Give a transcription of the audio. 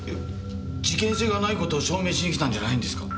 事件性がない事を証明しに来たんじゃないんですか？